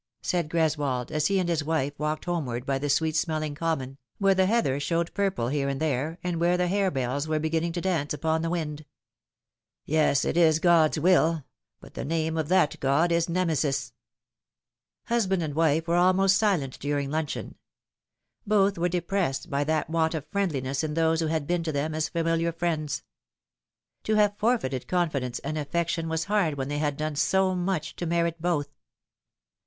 said Greswold, as he and his wife walked homeward by the sweet smelling common, where the heather showed purple here and there, aud where the hare bells were beginning to dance upon the wind. " Yes, it is God's will ; but the name of that God is Nemesis." Husband and wife were almost silent during luncheon. Both vrere depressed by that want of friendliness ia those who had been to them as familiar friends. To have forfeited confidence and affection was hard when they had done so much to merit both.